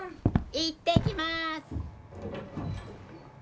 行ってきます。